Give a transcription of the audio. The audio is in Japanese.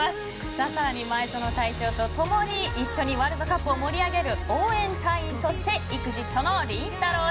更に、前園隊長と共に一緒にワールドカップを盛り上げる、応援隊員としてＥＸＩＴのりんたろー。